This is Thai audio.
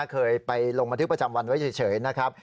เคยไปลงบันทึกประจำวันไว้เฉยนะครับ